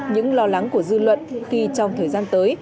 những lo lắng của dư luận khi trong thời gian tới